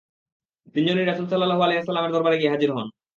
তিনজনই রাসূল সাল্লাল্লাহু আলাইহি ওয়াসাল্লাম-এর দরবারে গিয়ে হাজির হন।